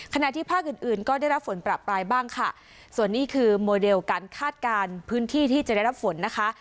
ขณะที่ภาคอื่นอื่นก็ได้รับฝนประปรายบ้างค่ะส่วนนี้คือโมเดลการคาดการณ์พื้นที่ที่จะได้รับฝนนะคะ